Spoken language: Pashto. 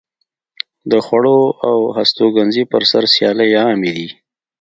د خوړو او هستوګنځي پر سر سیالۍ عامې دي.